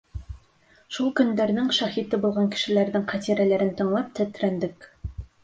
Шул көндәрҙең шаһиты булған кешеләрҙең хәтирәләрен тыңлап тетрәндек.